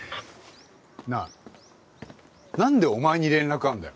なあなんでお前に連絡があるんだよ。